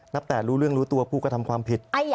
แต่รู้เรื่องรู้ตัวผู้กระทำความผิด